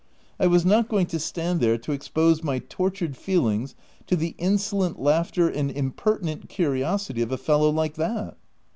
I was not going to stand there to expose my tortured feelings to the insolent laughter and impertinent curiosity of a fellow like that.